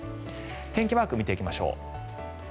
天気マークを見ていきましょう。